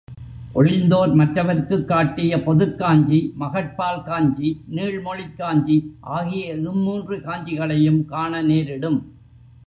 ஒழிந்தோர் மற்றவர்க்குக் காட்டிய பொதுக்காஞ்சி, மகட் பால் காஞ்சி, நீள்மொழிக் காஞ்சி ஆகிய இம்மூன்று காஞ்சிகளையும் காண நேரிடும்.